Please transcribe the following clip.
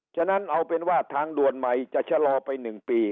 ฉะนั้นเอาเป็นว่าทางด่วนใหม่จะชะลอไป๑ปี